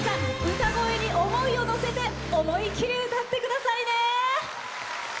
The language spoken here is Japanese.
歌声に思いをのせて思い切り歌ってくださいね！